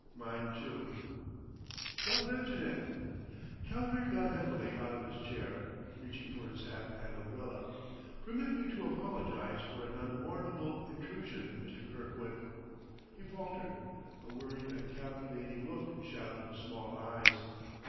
Mine, too." "Don't mention it." Calendar got heavily out of his chair, reaching for his hat and umbrella. "Permit me to apologize for an unwarrantable intrusion, Mr. Kirkwood." He faltered; a worried and calculating look shadowed his small eyes.